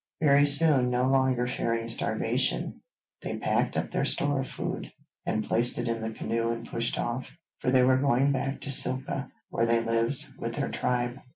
Very soon, no longer fearing starvation, they packed up their store of food and placed it in the canoe and pushed off, for they were going back to Silka where they lived with their tribe.